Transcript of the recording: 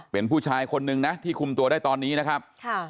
เป็นผู้ชายคนนึงนะที่คุมตัวได้ตอนนี้นะครับ